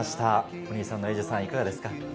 お兄さんの英樹さん、いかがですか？